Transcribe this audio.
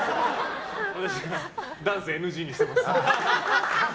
私ダンスＮＧにしてます。